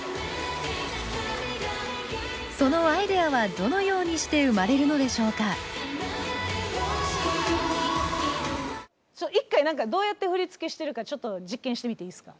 そのアイデアはどのようにして生まれるのでしょうか一回何かどうやって振付してるかちょっと実験してみていいですか。